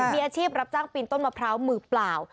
มีอาชีพรับจ้างปีนต้นมะพร้าวมือเปล่า